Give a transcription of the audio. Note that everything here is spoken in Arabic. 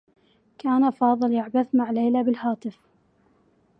كان فاضل يعبث مع ليلى بالهاتف.